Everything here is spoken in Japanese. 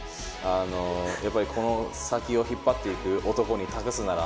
あのやっぱりこの先を引っ張っていく男に託すなら。